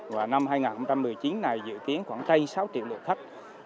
và năm hai nghìn một mươi chín dự kiến khoảng trây sáu triệu lượt khách